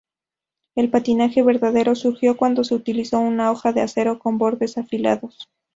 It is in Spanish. El patinaje verdadero surgió cuando se utilizó una hoja de acero con bordes afilados.